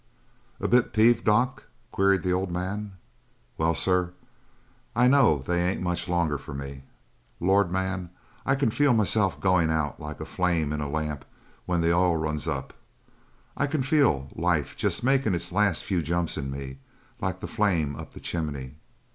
"A bit peeved, doc?" queried the old man. "Well, sir, I know they ain't much longer for me. Lord, man, I can feel myself going out like a flame in a lamp when the oil runs up. I can feel life jest makin' its last few jumps in me like the flame up the chimney.